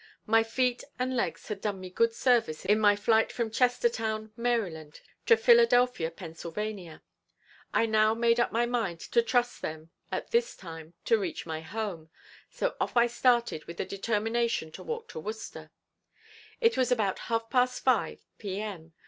My feet and legs had done me good service in my flight from Chestertown, Maryland to Philadelphia, Penn. I now made up my mind to trust to them at this time to reach my home, so off I started with the determination to walk to Worcester. It was about half past five P. M.